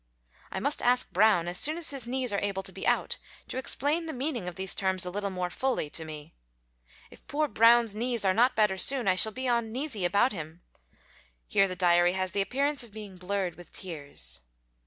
I must ask Brown, as soon as his knees are able to be out, to explain the meaning of these terms a little more fully to me. If poor Brown's knees are not better soon, I shall be on kneesy about him. [Here the diary has the appearance of being blurred with tears.